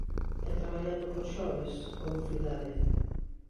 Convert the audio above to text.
E traballando cos xoves, coa mocidade.